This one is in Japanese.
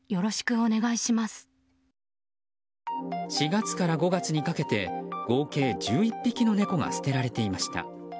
４月から５月にかけて合計１１匹の猫が捨てられていました。